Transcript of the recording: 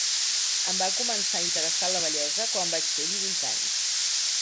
Em va començar a interessar la bellesa quan vaig fer divuit anys.